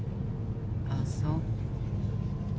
あっそう。